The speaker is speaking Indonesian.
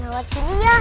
lewat sini ya